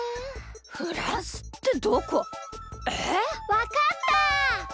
わかった！